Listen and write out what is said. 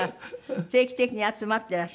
定期的に集まってらっしゃる。